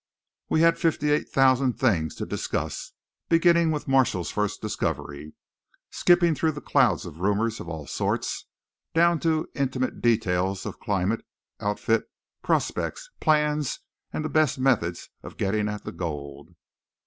We had fifty eight thousand things to discuss, beginning with Marshall's first discovery, skipping through the clouds of rumours of all sorts, down to intimate details of climate, outfit, prospects, plans, and the best methods of getting at the gold.